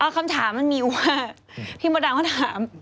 คำถามมันมีว่าพี่โมด่าก็ถาม